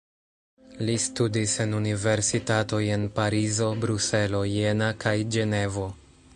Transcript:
Li studis en universitatoj en Parizo, Bruselo, Jena kaj Ĝenevo.